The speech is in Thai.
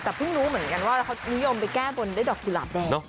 แต่เพิ่งรู้เหมือนกันว่าเขานิยมไปแก้บนด้วยดอกกุหลาบแดง